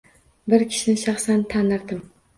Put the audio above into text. Bir kishini shaxsan tanirdim.